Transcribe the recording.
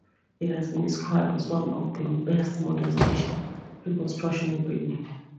It has been described as "one of the best modern station reconstructions in Britain.".